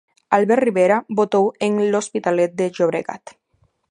Albert Rivera votou en L'Hospitalet de Llobregat.